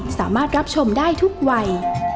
สามารถรับชมได้ทุกวัย